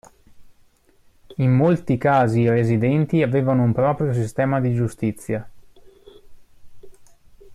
In molti casi i residenti avevano un proprio sistema di giustizia.